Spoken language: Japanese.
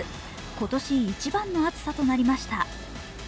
今年一番の暑さとなりました。